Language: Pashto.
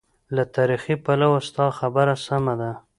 له تاریخي پلوه ستا خبره سمه ده.